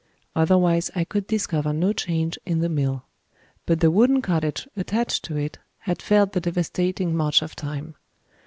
Otherwise, I could discover no change in the mill. But the wooden cottage attached to it had felt the devastating march of time.